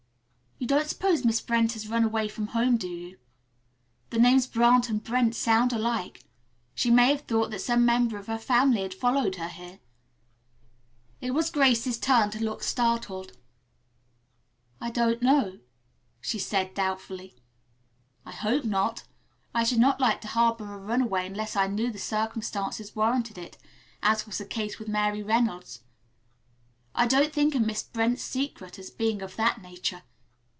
"You don't suppose Miss Brent has run away from home do you? The names Brant and Brent sound alike. She may have thought that some member of her family had followed her here." It was Grace's turn to look startled. "I don't know," she said doubtfully. "I hope not. I should not like to harbor a runaway unless I knew the circumstances warranted it, as was the case with Mary Reynolds. I didn't think of Miss Brent's secret as being of that nature.